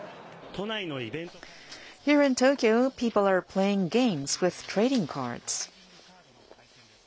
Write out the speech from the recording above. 都内のイベント会場です。